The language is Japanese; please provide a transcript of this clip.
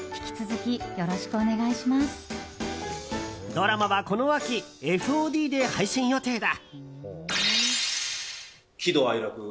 ドラマは、この秋ＦＯＤで配信予定だ。